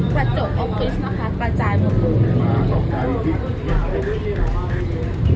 ประจกโอฟฟิศนะคะประจายพวกมัน